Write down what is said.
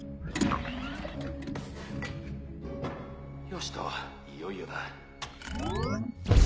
よしといよいよだ。